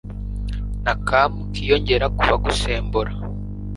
n'akamu kiyongera k'abagusembura